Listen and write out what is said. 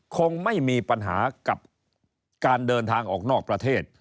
คงไม่มีปัญหากับการเดินทางออกนอกประเทศ